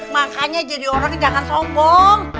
makanya jadi orang dih arrang songkong